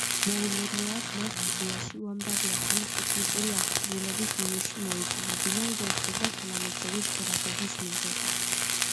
მოულოდნელად მან სტუდიაში უამრავი ახალი ტექნიკური აღჭურვილობის ნიმუში მოიტანა, ვინაიდან სურდა თანამედროვე ჟღერადობის მიღება.